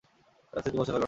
তার স্মৃতি মুছে ফেলো না।